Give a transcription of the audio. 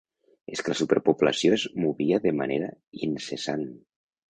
És que la superpoblació es movia de manera incessant.